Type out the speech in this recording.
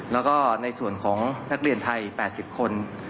แล้วก็ในส่วนของนักเรียนไทย๘๐คน